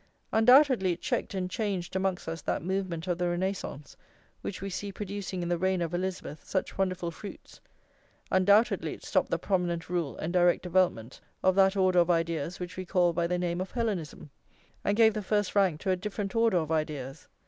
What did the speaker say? Undoubtedly it checked and changed amongst us that movement of the Renascence which we see producing in the reign of Elizabeth such wonderful fruits; undoubtedly it stopped the prominent rule and direct development of that order of ideas which we call by the name of Hellenism, and gave the first rank to a different order of ideas.